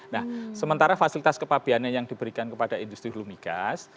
nah sementara fasilitas kepapianan yang diberikan kepada industri hulumi gas